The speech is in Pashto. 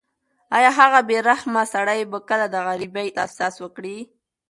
ایا هغه بې رحمه سړی به کله د غریبۍ احساس وکړي؟